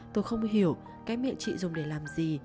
tôi không hiểu cái mẹ chị dùng để làm gì